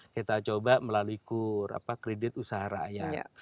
kita coba melalui kur kredit usaha rakyat